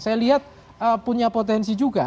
saya lihat punya potensi juga